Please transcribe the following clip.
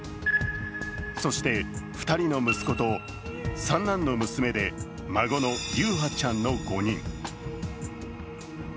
そして２人の息子と三男の娘で孫の優陽ちゃんの５人。